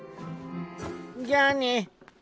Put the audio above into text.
じゃあね。